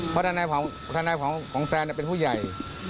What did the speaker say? เพราะทนายของแซนเป็นผู้ใหญ่